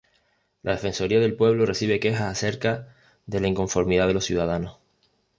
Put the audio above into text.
La defensoría del pueblo recibe quejas acerca de la inconformidad de los ciudadanos.